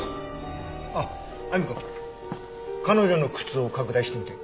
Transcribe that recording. あっ亜美くん彼女の靴を拡大してみて。